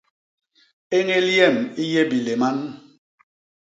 Éñél yem i yé biléman.